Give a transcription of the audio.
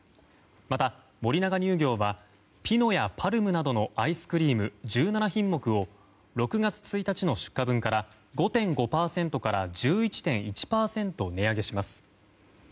また、森永乳業はピノやパルムなどのアイスクリーム１７品目を６月１日の出荷分から５．５％から１１．１％値上げします。